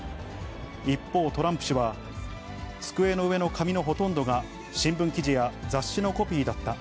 一方、トランプ氏は、机の上の紙のほとんどが、新聞記事や、雑誌のコピーだった。